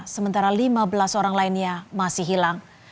sementara lima belas orang lainnya masih hilang